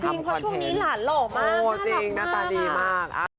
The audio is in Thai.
เพราะช่วงนี้หลานหล่อมากหน้าตาดีมาก